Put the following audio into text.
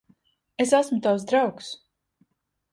Es esmu tavs draugs.